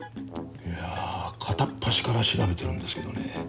いや片っ端から調べてるんですけどね